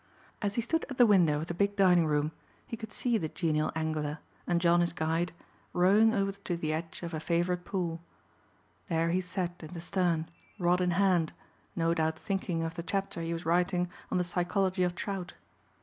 As he stood at the window of the big dining room he could see the genial angler, and John his guide, rowing over to the edge of a favorite pool. There he sat in the stern, rod in hand, no doubt thinking of the chapter he was writing on the "Psychology of Trout."